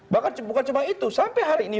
bahkan bukan cuma itu sampai hari ini